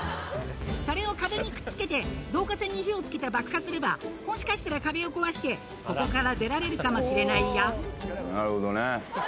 それを壁にくっつけて、導火線に火をつけて爆破すれば、もしかしたら壁を壊して、ここかなるほどね。